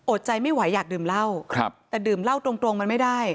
โอดใจไม่ไหวอยากดื่มเหล้าแต่ดื่มเหล้าตรงมันไม่ได้